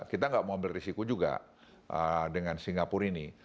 kita nggak mau ambil risiko juga dengan singapura ini